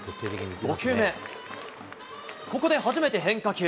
５球目、ここで初めて変化球。